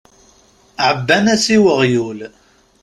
Ɛebban-as i weɣyul.